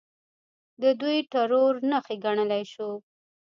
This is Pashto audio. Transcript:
د دوی ټرور نښې ګڼلی شو.